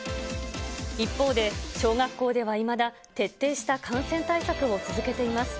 一方で、小学校ではいまだ徹底した感染対策を続けています。